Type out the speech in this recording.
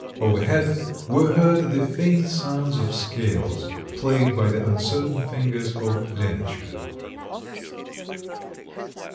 Overhead were heard the faint sounds of scales, played by the uncertain fingers of Lenotchka.